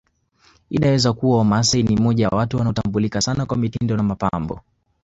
Inaweza kuwa Wamasai ni moja ya watu wanaotambulika sana kwa mitindo na mapambo